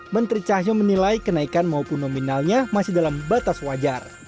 menteri cahyo menilai kenaikan maupun nominalnya masih dalam batas wajar